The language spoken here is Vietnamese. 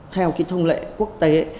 theo cái thông lệ quốc tế